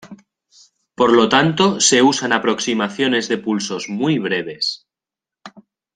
Por lo tanto, se usan aproximaciones de pulsos muy breves.